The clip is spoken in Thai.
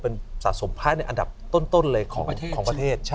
เป็นสะสมภายในอันดับต้นเลยของประเทศ